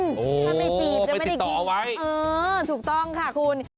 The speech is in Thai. ถ้าไม่จีบจะไม่ได้กินไว้เออถูกต้องค่ะคุณ